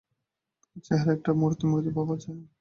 তোমার চেহারায় একটা মূর্তি-মূর্তি ভাব আছে।